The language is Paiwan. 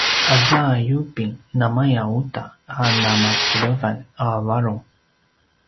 aza yubing namaya uta a namasilevan a varung